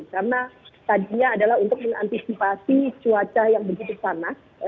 karena tadinya adalah untuk mengantisipasi cuaca yang begitu panas